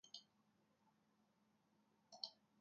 On these models the exhaust is on the right side.